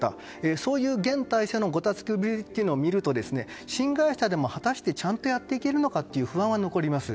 そういう現体制のごたつきぶりを見ると新会社でも果たしてちゃんとやっていけるのかという不安は残ります。